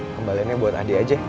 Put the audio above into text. kembaliannya buat adi aja